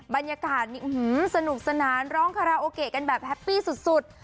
บรรยากาศสนุกสนานร้องคาราโอเกะกันแบบแฮปปี้สุด